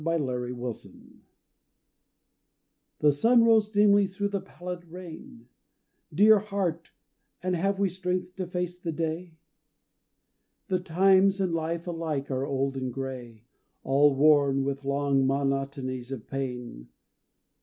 THE SCARLET THREAD The sun rose dimly thro' the pallid rain, Dear Heart and have we strength to face the day? The times and life alike are old and grey, All worn with long monotonies of pain.